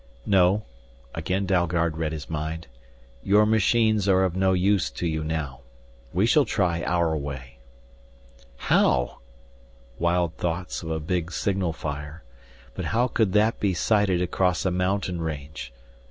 "No," again Dalgard read his mind. "Your machines are of no use to you now. We shall try our way." "How?" Wild thoughts of a big signal fire But how could that be sighted across a mountain range.